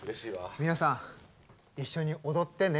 皆さん一緒に踊ってね！